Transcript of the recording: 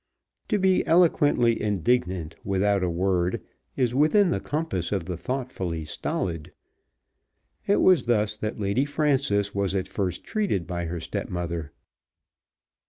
To be eloquently indignant without a word is within the compass of the thoughtfully stolid. It was thus that Lady Frances was at first treated by her stepmother.